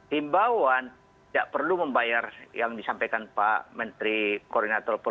himbauan tidak perlu membayar yang disampaikan pak menteri koordinator politik